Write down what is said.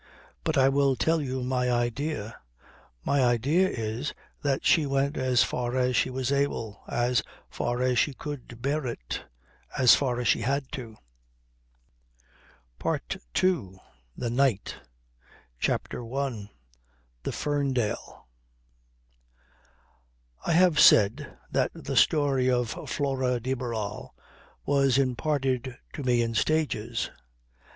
But I will tell you my idea: my idea is that she went as far as she was able as far as she could bear it as far as she had to ..." PART II THE KNIGHT CHAPTER ONE THE FERNDALE I have said that the story of Flora de Barral was imparted to me in stages.